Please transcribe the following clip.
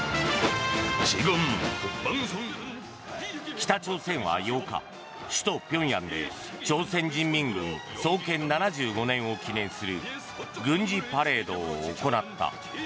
北朝鮮は８日首都・平壌で朝鮮人民軍創建７５年を記念する軍事パレードを行った。